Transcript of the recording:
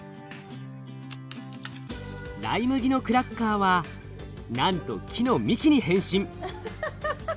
ライ麦のクラッカーはなんと木の幹に変身！